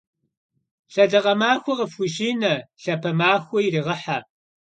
Lhedakhe maxue khıfxuşine, lhape maxue yiriğehe!